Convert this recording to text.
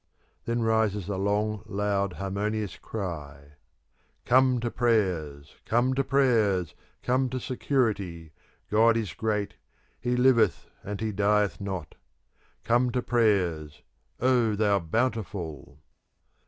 Then rises a long, loud, harmonious cry, "Come to prayers, come to prayers! Come to security! God is great! He liveth and he dieth not! Come to prayers! O thou Bountiful!"